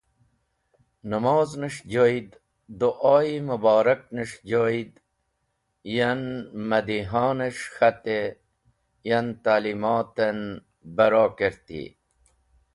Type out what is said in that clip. Namoz’nes̃h joyd, du’o-e mũborak’nes̃h joyd, yan madiha’nes̃h k̃hate, yan ta’limoten baro kerti.